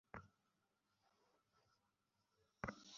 পায়ের পাতা চুলকাতা ডাক্তার পরীক্ষা করে বলল-অ্যালার্জি।